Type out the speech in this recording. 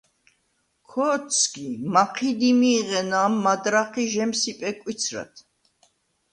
ქო̄თსგი, მაჴიდ იმი̄ღენა̄მ მადრაჴ ი ჟემსიპე კვიცრად.